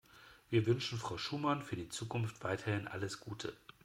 Wir wünschen Frau Schumann für die Zukunft weiterhin alles Gute.